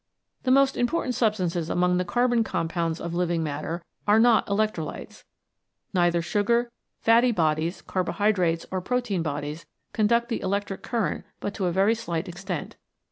The most important substances among the carbon compounds of living matter are not electrolytes. Neither sugar, fatty bodies, carbo hydrates, nor protein bodies conduct the electric current but to a very slight extent.